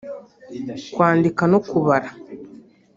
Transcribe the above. kwandika no kubara